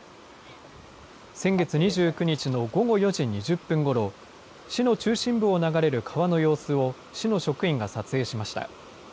先月２９日の午後４時２０分ごろ、市の中心部を流れる川の様子を、市の職員が撮影しました。